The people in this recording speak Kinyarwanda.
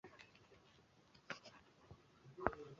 Nta ntama n’imwe twakunyaze ahubwo twarazirinze